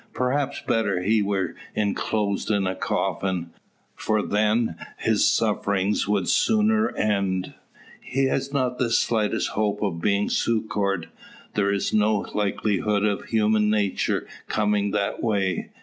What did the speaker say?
Perhaps better he were enclosed in a coffin; for then his sufferings would sooner end. He has not the slightest hope of being succoured. There is no likelihood of human creature coming that way.